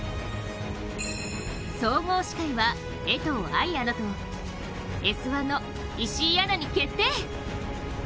総合司会は江藤愛アナと「Ｓ☆１」の石井アナに決定。